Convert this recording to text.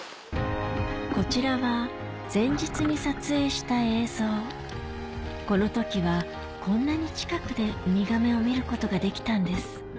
こちらはこの時はこんなに近くでウミガメを見ることができたんです